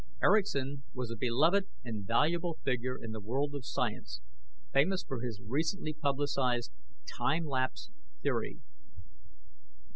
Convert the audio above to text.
Erickson was a beloved and valuable figure in the world of science, famous for his recently publicized "time lapse" theory.